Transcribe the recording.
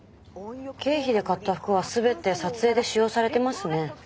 経費で買った服は全て撮影で使用されてますね。